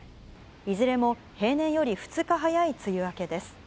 いずれも平年より２日早い梅雨明けです。